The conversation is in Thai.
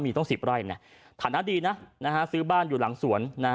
มีต้อง๑๐ไร่ไงฐานะดีนะซื้อบ้านอยู่หลังสวน